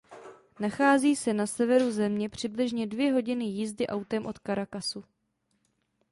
Nachází se na severu země přibližně dvě hodiny jízdy autem od Caracasu.